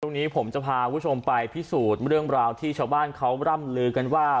ตรงนี้ผมจะพาคุณผู้ชมไปพิสูจน์เรื่องราวที่ชาวบ้านเขาร่ำลือกันว่า